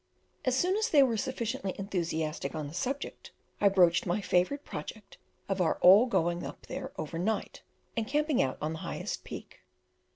As soon as they were sufficiently enthusiastic on the subject, I broached my favourite project of our all going up there over night, and camping out on the highest peak.